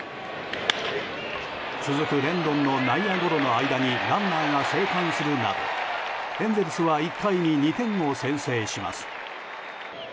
続くレンドンの内野ゴロの間にランナーが生還するなどエンゼルスは１回に２点を先制します。